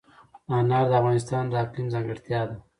انار د افغانستان د اقلیم ځانګړتیا ده.